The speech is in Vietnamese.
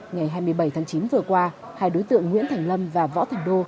ngày hai mươi bảy tháng chín vừa qua hai đối tượng nguyễn thành lâm và võ thành đô